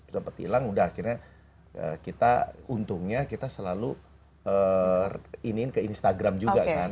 sempat hilang udah akhirnya kita untungnya kita selalu iniin ke instagram juga kan